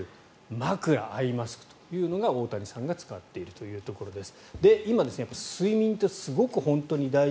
枕、アイマスクというのが大谷さんが使っているというところです。